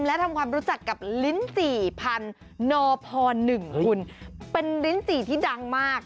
และทำความรู้จักกับนอพอหนึ่งหุ่นเป็น฾รีที่ดังมาก